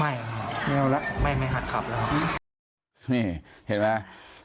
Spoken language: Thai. ไม่ครับไม่เอาแล้วไม่หัดขับแล้วครับ